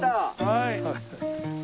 はい。